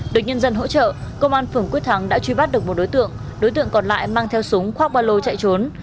được nhân dân hỗ trợ công an phường quyết thắng đã truy bắt được một đối tượng đối tượng còn lại mang theo súng khoác ba lô chạy trốn